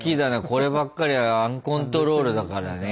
こればっかりはアンコントロールだからね。